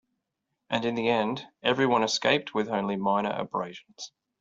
And in the end, everyone escaped with only minor abrasions.